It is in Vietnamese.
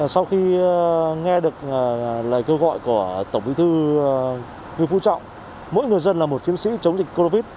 sau khi nghe được lời kêu gọi của tổng bí thư nguyễn phú trọng mỗi người dân là một chiến sĩ chống dịch covid